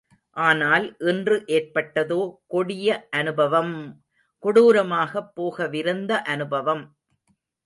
ஆனால் இன்று ஏற்பட்டதோ கொடிய அநுபவம்.... கொடூரமாகப் போகவிருந்த அனுபவம்.